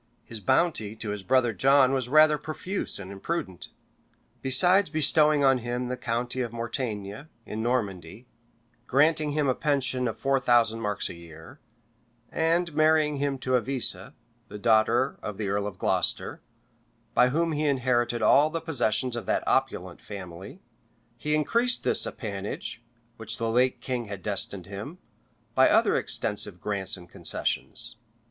His bounty to his brother John was rather profuse and imprudent. Besides bestowing on him the county of Mortaigne, in Normandy, granting him a pension of four thousand marks a year, and marrying him to Avisa, the daughter of the earl of Glocester, by whom he inherited all the possessions of that opulent family, he increased this appanage, which the late king had destined him, by other extensive grants and concessions.